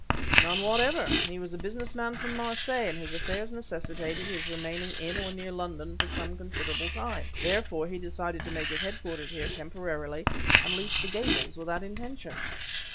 "None whatever. He was a business man from Marseilles, and his affairs necessitated his remaining in or near London for some considerable time; therefore, he decided to make his headquarters here, temporarily, and leased the Gables with that intention."